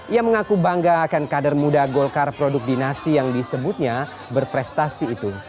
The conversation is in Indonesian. ia mengaku bangga akan kader muda golkar produk dinasti yang disebutnya berprestasi itu